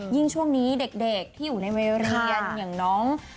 ช่วงนี้เด็กที่อยู่ในวัยเรียนอย่างน้อง